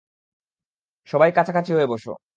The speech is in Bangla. সবাই কাছাকাছি হয়ে বসো।